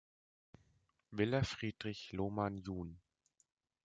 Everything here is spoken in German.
Villa Friedrich Lohmann jun.